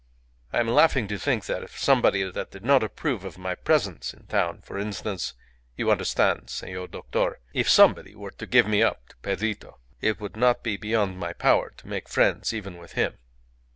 "I am laughing to think that if somebody that did not approve of my presence in town, for instance you understand, senor doctor if somebody were to give me up to Pedrito, it would not be beyond my power to make friends even with him.